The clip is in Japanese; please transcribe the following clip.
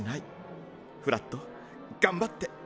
フラットがんばって！